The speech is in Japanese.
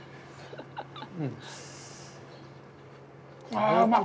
ああ、うまい。